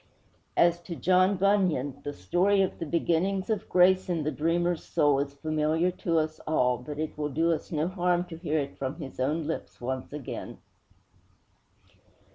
As to John Bunyan, the story of the beginnings of grace in the dreamer's soul is familiar to us all, but it will do us no harm to hear it from his own lips once again.